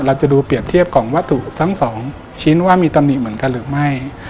เราจะดูเปรียบเทียบของวัตถุทั้งสองชิ้นว่ามีตำหนิเหมือนกันหรือไม่